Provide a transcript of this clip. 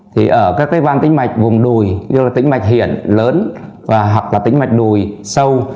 thì ở các ban tĩnh mạch vùng đùi tĩnh mạch hiển lớn hoặc tĩnh mạch đùi sâu